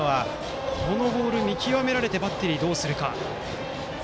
このボールを見極められてバッテリーはどうするか。